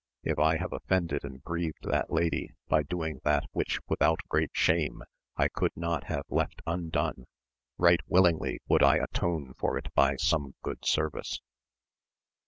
If I have offended and grieved that lady by doing that which without great (shame I could not have left undone, right willingly would I atone for it by some good service.